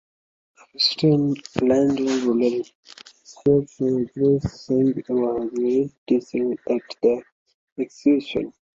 Opposition leader Bill Shorten agreed, saying he was "disgusted" at the execution.